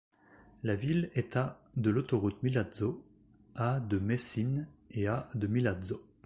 La ville est à de l'autoroute Milazzo, à de Messine et à de Milazzo.